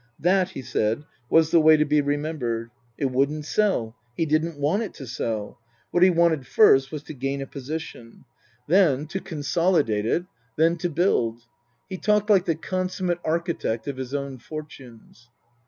That, he said, was the way to be remembered. It wouldn't sell. He didn't want it to sell. What he wanted first was to gain a position ; then to consolidate 3* 36 Tasker Jevons it ; then to build. He talked like the consummate archi tect of his own fortunes.